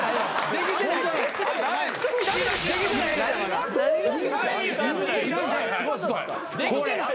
できてないやん。